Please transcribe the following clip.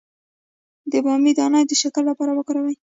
د بامیې دانه د شکر لپاره وکاروئ